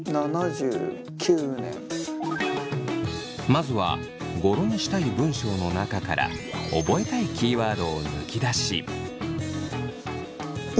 まずは語呂にしたい文章の中から覚えたいキーワードを抜き出し。